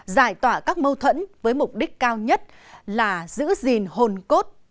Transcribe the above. giải tỏa các mâu thuẫn với mục đích cao nhất là giữ gìn hồn cốt